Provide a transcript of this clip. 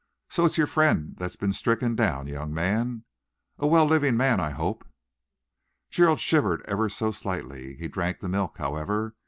So it's your friend that's been stricken down, young man. A well living man, I hope?" Gerald shivered ever so slightly. He drank the milk, however.